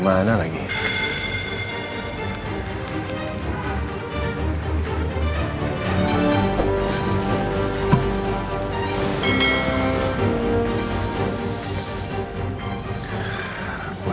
aku kayaknya sekarang kamu kamploy deh